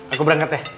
aku berangkat ya